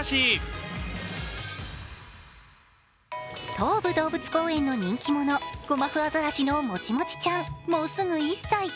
東武動物公園の人気者、ゴマフアザラシのもちもちちゃん、もうすぐ１歳。